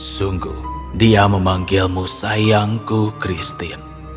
sungguh dia memanggilmu sayangku christine